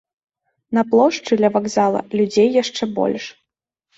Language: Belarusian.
На плошчы, ля вакзала, людзей яшчэ больш.